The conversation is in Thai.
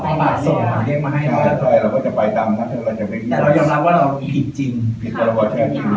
ไม่ได้ชอบตรงนะฮะแล้วก็ตรงเป็นอายาฮะเพราะว่าแชร์เป็นดังแพร่ง